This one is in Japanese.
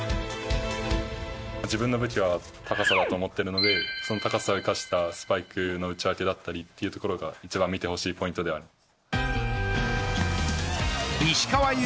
自分の武器は高さだと思っているのでその高さを生かしたスパイクの打ち分けだったりするところが一番見てほしいです。